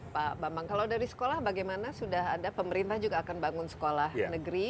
pak bambang kalau dari sekolah bagaimana sudah ada pemerintah juga akan bangun sekolah negeri